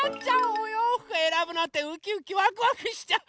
おようふくえらぶのってウキウキワクワクしちゃう！